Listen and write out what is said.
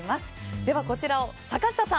ではこちらを坂下さん。